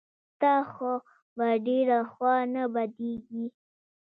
ستا خو به ډېره خوا نه بدېږي.